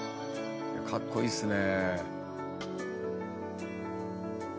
かっこいいっすね。